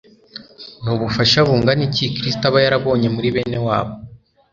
Ni ubufasha bungana iki Kristo aba yarabonye muri bene wabo